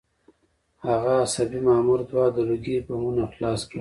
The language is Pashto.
هغه عصبي مامور دوه د لوګي بمونه خلاص کړل